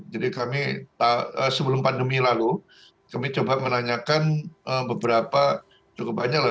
jadi kami sebelum pandemi lalu kami coba menanyakan beberapa cukup banyak lah